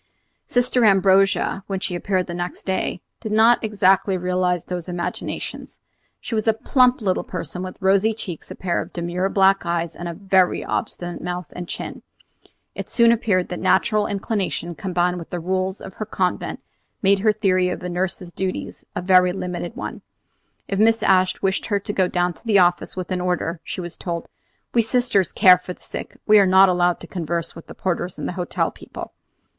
Sister Ambrogia, when she appeared next day, did not exactly realize these imaginations. She was a plump little person, with rosy cheeks, a pair of demure black eyes, and a very obstinate mouth and chin. It soon appeared that natural inclination combined with the rules of her convent made her theory of a nurse's duties a very limited one. If Mrs. Ashe wished her to go down to the office with an order, she was told: "We sisters care for the sick; we are not allowed to converse with porters and hotel people."